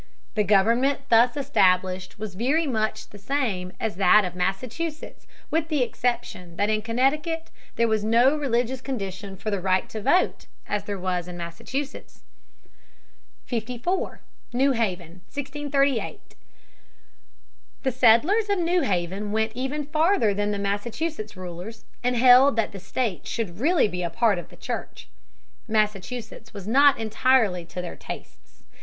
The government thus established was very much the same as that of Massachusetts with the exception that in Connecticut there was no religious condition for the right to vote as there was in Massachusetts. [Sidenote: The New Haven settlers.] [Sidenote: New Haven founded, 1638. Higginson, 72 73.] 54. New Haven, 1638. The settlers of New Haven went even farther than the Massachusetts rulers and held that the State should really be a part of the Church. Massachusetts was not entirely to their tastes.